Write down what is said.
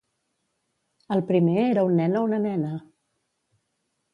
El primer era un nen o una nena?